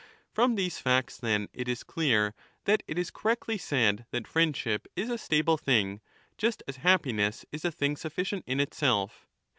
From these facts then it is clear that it is correctly said that friendship is a stable thing, just as happiness is a thing sufficient in itself.